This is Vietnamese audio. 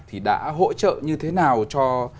thì đã hỗ trợ như thế nào cho